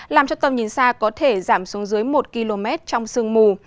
làm cho tầm nhìn xa có thể giảm xuống dưới một km trong sương mù